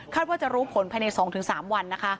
ว่าจะรู้ผลภายใน๒๓วันนะคะ